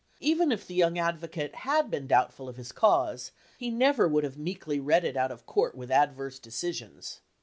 Even if the young advocate had been doubtful of his cause, he never would have meekly read it out of court with adverse decisions.